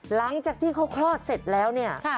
หลังจากที่เขาคลอดเสร็จแล้วเนี่ย